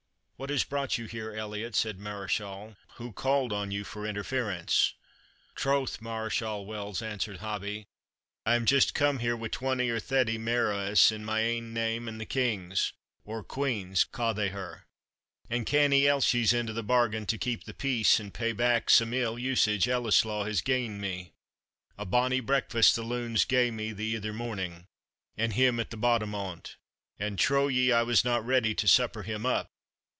"What has brought you here, Elliot?" said Mareschal; "who called on you for interference?" "Troth, Mareschal Wells," answered Hobbie, "I am just come here, wi' twenty or thretty mair o' us, in my ain name and the King's or Queen's, ca' they her? and Canny Elshie's into the bargain, to keep the peace, and pay back some ill usage Ellieslaw has gien me. A bonny breakfast the loons gae me the ither morning, and him at the bottom on't; and trow ye I wasna ready to supper him up?